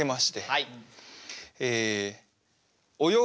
はい。